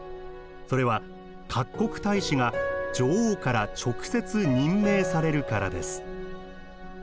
それは各国大使が女王から直接任命されるからです。